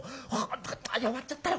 あ弱っちゃったな